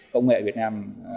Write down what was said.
công nghệ việt nam